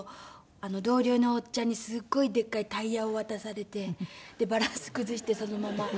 同僚のおっちゃんにすごいでかいタイヤを渡されてでバランス崩してそのまま。